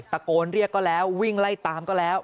ตะโกนเรียกก็แล้ววิ่งไล่ตามก็แล้ว